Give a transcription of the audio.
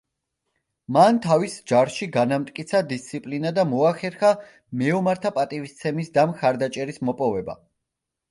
მან თავის ჯარში განამტკიცა დისციპლინა და მოახერხა მეომართა პატივისცემის და მხარდაჭერის მოპოვება.